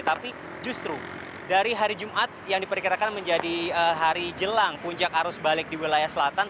tapi justru dari hari jumat yang diperkirakan menjadi hari jelang puncak arus balik di wilayah selatan